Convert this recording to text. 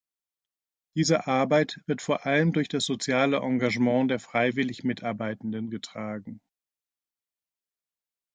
Diese Arbeit wird vor allem durch das soziale Engagement der freiwillig Mitarbeitenden getragen.